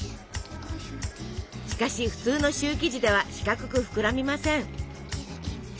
しかし普通のシュー生地では四角く膨らみません。